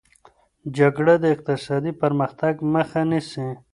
جګړه د اقتصادي پرمختګ مخه نیسي.